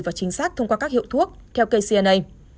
và chính xác thông qua các hiệu thuốc theo kcna